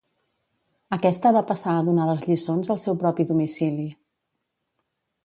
Aquesta va passar a donar les lliçons al seu propi domicili.